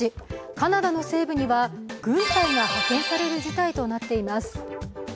カナダの西部には軍隊が派遣される事態となっています。